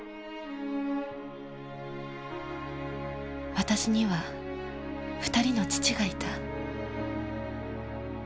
私には２人の父がいた。